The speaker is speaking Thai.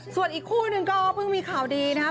ส่วนอีกคู่หนึ่งก็เพิ่งมีข่าวดีนะครับ